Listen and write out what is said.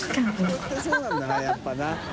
佑辰そうなんだなやっぱな。